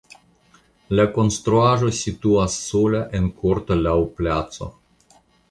La konstruaĵo situas sola en korto laŭ placo.